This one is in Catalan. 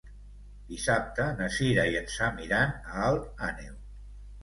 Dissabte na Cira i en Sam iran a Alt Àneu.